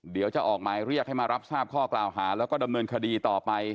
เดี๋ยวจะออกหมายเรียกให้มารับทราบข้อกล่าวหาแล้วก็ดำเนินคดีต่อไป